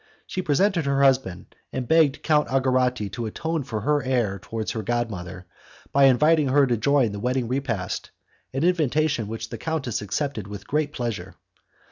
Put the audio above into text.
She presented her husband, and begged Count Algarotti to atone for her error towards her god mother by inviting her to join the wedding repast, an invitation which the countess accepted with great pleasure.